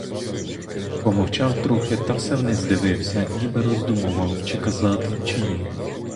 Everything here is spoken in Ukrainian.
Помовчав трохи, та все вниз дивився, ніби роздумував: чи казати, чи ні?